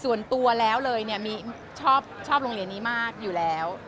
ส่วนตัวแล้วเลยเนี่ยมีชอบโรงเรียนนี้มากอยู่แล้ว